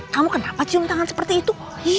kamu kenapa cium tangan seperti itu